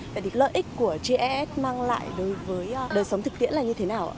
vậy thì lợi ích của gis mang lại đối với đời sống thực tiễn là như thế nào